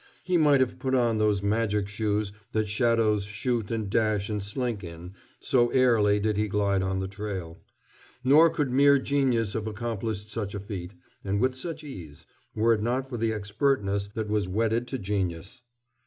He might have put on those magic shoes that shadows shoot and dash and slink in, so airily did he glide on the trail. Nor could mere genius have accomplished such a feat, and with such ease were it not for the expertness that was wedded to genius.